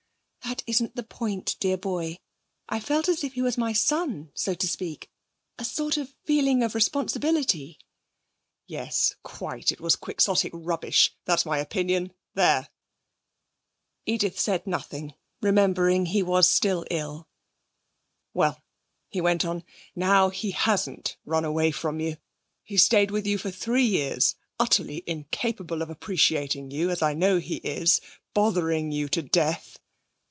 'That isn't the point, dear boy. I felt as if he was my son, so to speak a sort of feeling of responsibility.' 'Yes, quite. It was quixotic rubbish. That's my opinion. There!' Edith said nothing, remembering he was still ill. 'Well,' he went on, 'now, he hasn't run away from you. He's stayed with you for three years; utterly incapable of appreciating you, as I know he is, bothering you to death.'